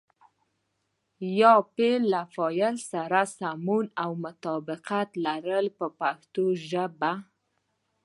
یا فعل له فاعل سره سمون او مطابقت لري په پښتو ژبه.